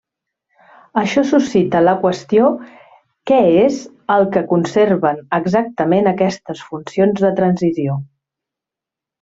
Això suscita la qüestió què és el que conserven exactament aquestes funcions de transició.